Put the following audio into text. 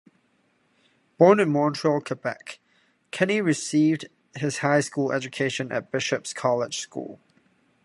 Born in Montreal, Quebec, Kenny received his high school education at Bishop's College School.